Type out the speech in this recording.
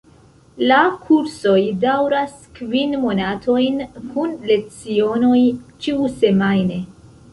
La kursoj daŭras kvin monatojn kun lecionoj ĉiusemajne.